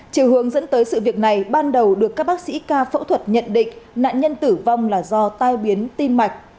chiều hướng dẫn tới sự việc này ban đầu được các bác sĩ ca phẫu thuật nhận định nạn nhân tử vong là do tai biến tim mạch